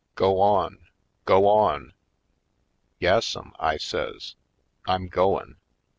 Go on — go on!" "Yassum," I says, "I'm goin'.